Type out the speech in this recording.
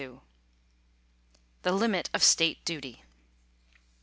THE LIMIT OF STATE DUTY.